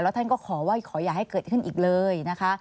ท่านก็ขอว่าขออย่าให้เกิดขึ้นอีกเลยนะคะ